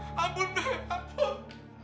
ampun be ampun